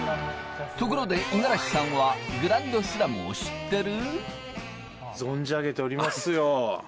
ところで五十嵐さんはグランドスラムを知ってる？